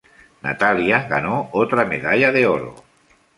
Natalia ganó otra medalla de oro.